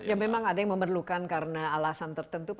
ya memang ada yang memerlukan karena alasan tertentu